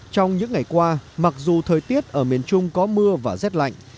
trong những ngày qua mặc dù thời tiết ở miền trung có mưa và rét lạnh